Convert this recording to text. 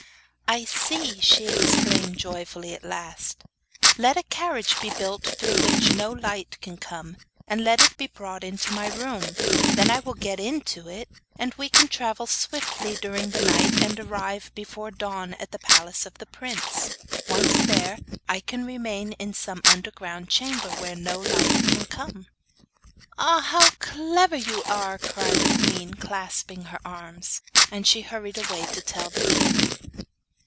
'I see!' she exclaimed joyfully at last. 'Let a carriage be built through which no light can come, and let it be brought into my room. I will then get into it, and we can travel swiftly during the night and arrive before dawn at the palace of the prince. Once there, I can remain in some underground chamber, where no light can come.' 'Ah, how clever you are,' cried the queen, clasping her in her arms. And she hurried away to tell the king.